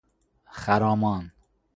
خرامان